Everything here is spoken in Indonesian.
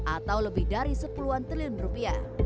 atau lebih dari sepuluhan triliun rupiah